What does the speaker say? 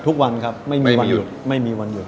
ทุกวันครับไม่มีวันหยุด